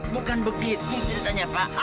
bukan begitu ceritanya pak